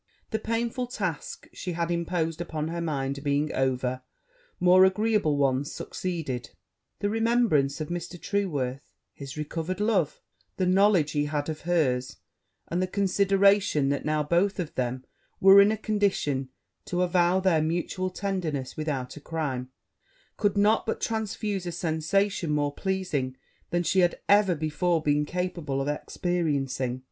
The painful task she had imposed upon her mind being over, more agreeable ones succeeded: the remembrance of Mr. Trueworth his recovered love the knowledge he had of hers and the consideration that now both of them were in a condition to avow their mutual tenderness without a crime, could not but transfuse a sensation more pleasing than she had ever before been capable of experiencing.